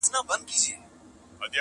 څو به زمان ګرځوي موجونه له بېړیو.!